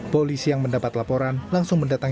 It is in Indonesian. polisi yang mendapat laporan langsung mendatangi